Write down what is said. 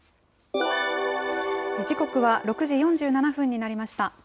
時刻は６時４７分になりました。